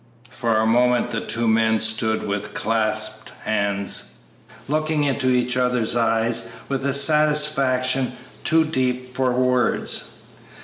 For a moment the two men stood with clasped hands, looking into each other's eyes with a satisfaction too deep for words.